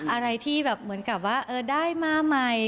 อะไรที่แบบเหมือนกับว่าได้มาใหม่